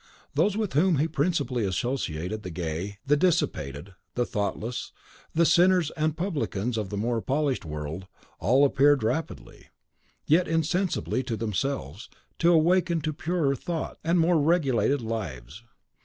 Those with whom he principally associated the gay, the dissipated, the thoughtless, the sinners and publicans of the more polished world all appeared rapidly, yet insensibly to themselves, to awaken to purer thoughts and more regulated lives.